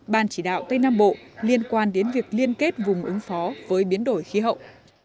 ban chỉ đạo tây nam bộ liên quan đến việc liên kết vùng ứng phó với biến đổi khí hậu